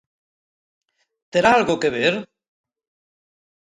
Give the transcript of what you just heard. ¿Terá algo que ver?